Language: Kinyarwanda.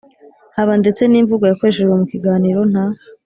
haba ndetse n'imvugo yakoreshejwe mu kiganiro, nta